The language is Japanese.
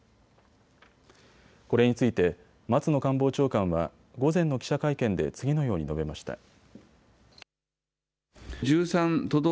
これについて松野官房長官は午前の記者会見で次のように述べました。